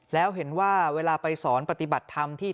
แล้วเห็นว่าเวลาไปสอนปฏิบัติธรรมที่